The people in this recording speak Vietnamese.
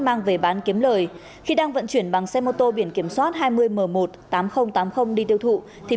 mang về bán kiếm lời khi đang vận chuyển bằng xe mô tô biển kiểm soát hai mươi m một tám nghìn tám mươi đi tiêu thụ thì